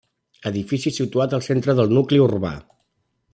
Edifici situat al centre del nucli urbà.